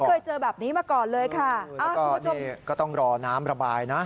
เคยเจอแบบนี้มาก่อนเลยค่ะแล้วก็นี่ก็ต้องรอน้ำระบายนะ